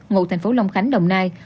ngụ thành phố long khánh đồng nai